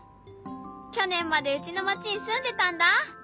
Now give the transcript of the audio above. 去年までうちの町に住んでたんだ。